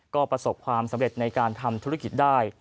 ก็ประสบความสำเร็จในการทำธุรกิจได้